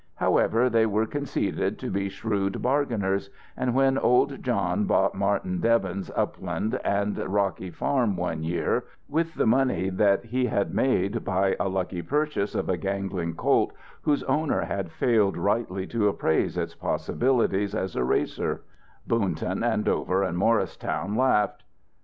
However, they were conceded to be shrewd bargainers, and when old John bought Martin Debbins' upland and rocky farm one year, with the money that he had made by a lucky purchase of a gangling colt whose owner had failed rightly to appraise its possibilities as a racer, Boonton and Dover and Morristown laughed.